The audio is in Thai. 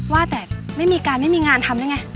ว่าแต่ไม่มีการไม่มีงานทำได้ไง